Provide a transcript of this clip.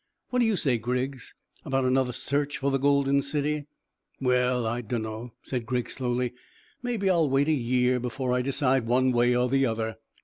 What do you say, Griggs, about another search for the golden city?" "Well, I dunno," said Griggs slowly. "Maybe I'll wait a year before I decide one way or the other."